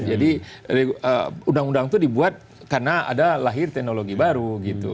jadi undang undang itu dibuat karena ada lahir teknologi baru gitu